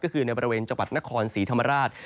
ก็คือในบริเวณจังหวัดนครศรีธรรมราช